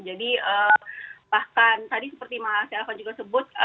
jadi bahkan tadi seperti mas elvan juga sebut